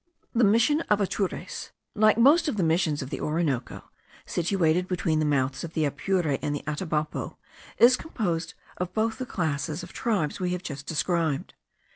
The Mission of Atures, like most of the Missions of the Orinoco, situated between the mouths of the Apure and the Atabapo, is composed of both the classes of tribes we have just described.